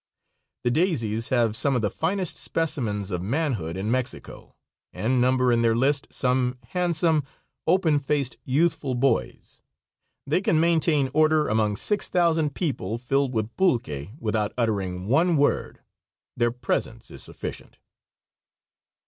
The "daisies" have some of the finest specimens of manhood in Mexico, and number in their list some handsome, open faced, youthful boys. They can maintain order among 6,000 people filled with pulque without uttering one word. Their presence is sufficient.